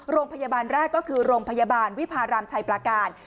โรงพยาบาลแรกก็คือโรงพยาบาลวิพารามชัยประการ